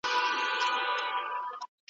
موږ د محکمې په وړاندي رښتيا وويل.